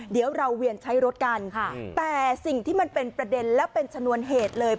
เดี๋ยวเราเวียนใช้รถกันแต่สิ่งที่มันเป็นประเด็นและเป็นชนวนเหตุเลย